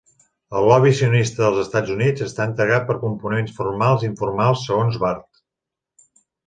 El lobby sionista dels Estats Units, està integrat per components formals i informals segons Bard.